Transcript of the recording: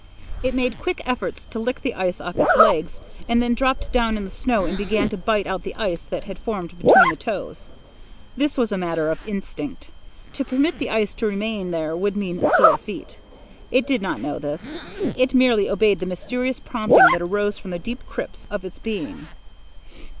It made quick efforts to lick the ice off its legs, then dropped down in the snow and began to bite out the ice that had formed between the toes. This was a matter of instinct. To permit the ice to remain would mean sore feet. It did not know this. It merely obeyed the mysterious prompting that arose from the deep crypts of its being.